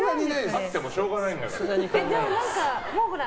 勝ってもしょうがないんだから。